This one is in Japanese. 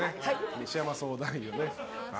西山相談員をね。